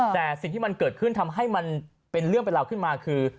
แต่สิ่งที่มันเกิดขึ้นทำให้มันเป็นเรื่องเป็นราวขึ้นมาคือ